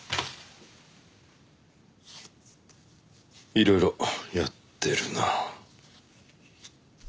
いろいろやってるな。